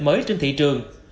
mới trên thị trường